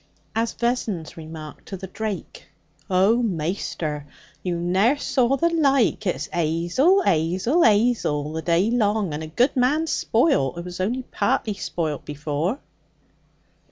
As Vessons remarked to the drake, 'Oh, maister! you ne'er saw the like. It's 'Azel, 'Azel, 'Azel the day long, and a good man spoilt as was only part spoilt afore.'